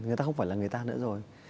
người ta không phải là người ta nữa rồi